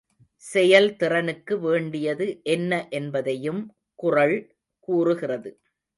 செயல் திறனுக்கு வேண்டியது என்ன என்பதையும் குறள் கூறுகிறது.